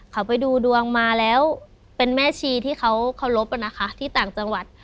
เขาไปดูดวงมาแล้วเป็นแม่ชีที่เขาเคารพนะคะที่ต่างจังหวัด